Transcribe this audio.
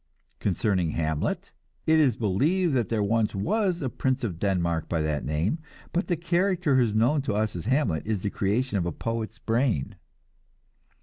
Concerning Hamlet, it is believed there was once a Prince of Denmark by that name, but the character who is known to us as Hamlet is the creation of a poet's brain.